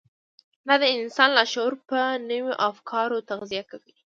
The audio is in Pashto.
دا د انسان لاشعور په نويو افکارو تغذيه کوي.